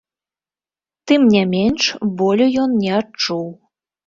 Тым не менш, болю ён не адчуў.